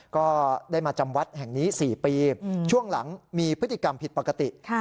ก็ได้มาจำวัดแห่งนี้๔ปีช่วงหลังมีพฤติกรรมผิดปกติ